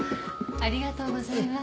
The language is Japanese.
ありがとうございます。